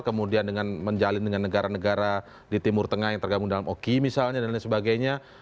kemudian dengan menjalin dengan negara negara di timur tengah yang tergabung dalam oki misalnya dan lain sebagainya